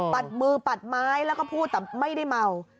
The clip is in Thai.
ตัดมือปัดไม้แล้วก็พูดแต่ไม่ได้เมา